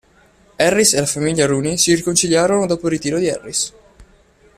Harris e la famiglia Rooney si riconciliarono dopo il ritiro di Harris.